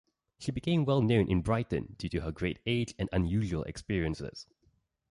She became well known in Brighton, due to her great age and unusual experiences.